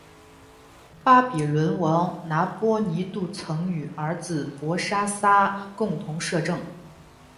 巴比伦王拿波尼度曾与儿子伯沙撒共同摄政。